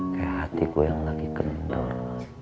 kayak hatiku yang lagi kental